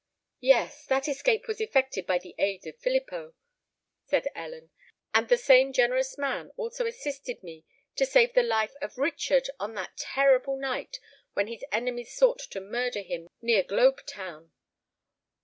"Yes—that escape was effected by the aid of Filippo," said Ellen; "and the same generous man also assisted me to save the life of Richard on that terrible night when his enemies sought to murder him near Globe Town."